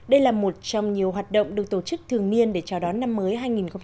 đây là một trong nhiều hoạt động được tổ chức thường niên để chào đón năm mới hai nghìn hai mươi